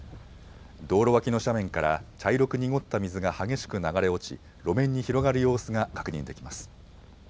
道路脇の斜面から茶色く濁った水が激しく流れ落ち路面に広がる様子が確認できます。